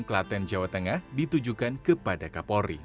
klaten jawa tengah ditujukan kepada kapolri